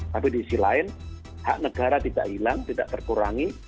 tapi diisi lain hak negara tidak hilang tidak terkurangi